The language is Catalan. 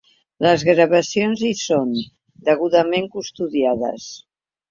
Les gravacions hi són, degudament custodiades.